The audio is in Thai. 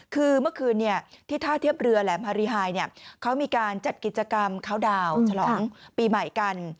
คือเมื่อคืนที่ท่าเทียบเรือแหลมฮารีไฮเขามีการจัดกิจกรรมคาวดาวฉลองปีใหม่กัน